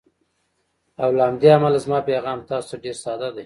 او له همدې امله زما پیغام تاسو ته ډېر ساده دی: